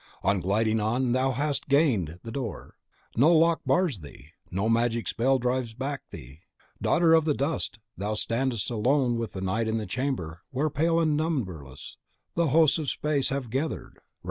On, gliding on, thou hast gained the door; no lock bars thee, no magic spell drives thee back. Daughter of the dust, thou standest alone with night in the chamber where, pale and numberless, the hosts of space have gathered round the seer!